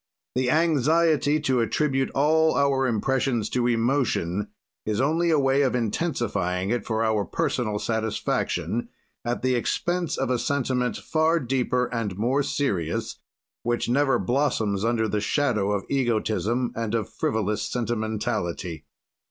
"The anxiety to attribute all our impressions to emotion is only a way of intensifying it for our personal satisfaction, at the expense of a sentiment far deeper and more serious, which never blossoms under the shadow of egotism and of frivolous sentimentality.